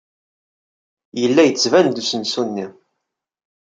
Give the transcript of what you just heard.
Yella yettban-d usensu-nni.